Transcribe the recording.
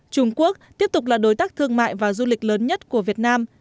trung quốc tiếp tục là đối tác thương mại và du lịch lớn nhất của việt nam